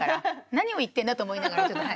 何を言ってんだと思いながらはい。